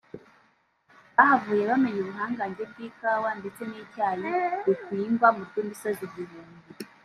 bahavuye bamenye ubuhangange bw’Ikawa ndetse n’Icyayi bihingwa mu rw’imisozi igihumbi